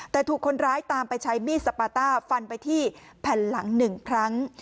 แต่ถูกคนร้ายตามไปใช้มีดสปาต้าฟันไปที่แผ่นหลัง๑ครั้ง